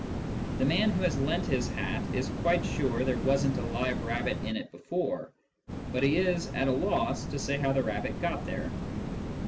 The man who has lent his hat is quite sure there wasn't a live rabbit in it before, but he is at a loss to say how the rabbit got there.